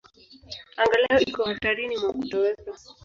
Angalau iko hatarini mwa kutoweka.